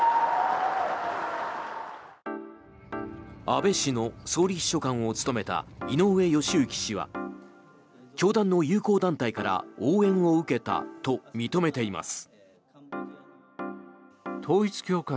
安倍氏の総理秘書官を務めた井上義行氏は教団の友好団体から応援を受けたと認めています。